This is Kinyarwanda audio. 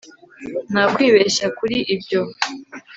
Nta kwibeshya kuri ibyo